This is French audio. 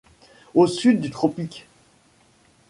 Au sud du Tropique.